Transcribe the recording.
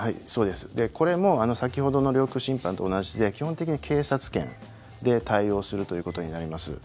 これも先ほどの領空侵犯と同じで基本的に警察権で対応するということになります。